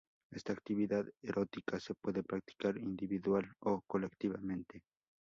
Esta actividad erótica se puede practicar individual o colectivamente.